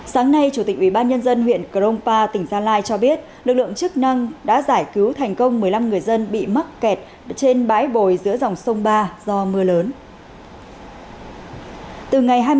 sáng nay chủ tịch ubnd huyện crong pa tỉnh sa lai cho biết lực lượng chức năng đã giải cứu thành công một mươi năm người dân bị mắc kẹt